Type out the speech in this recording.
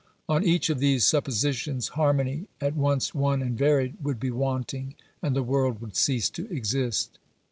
On each of these suppositions, harmony, at once one and varied, would be wanting, and the world would cease to exist.